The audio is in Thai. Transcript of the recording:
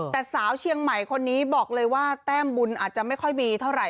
แต่สาวเชียงใหม่คนนี้บอกเลยว่าแต้มบุญอาจจะไม่ค่อยมีเท่าไหร่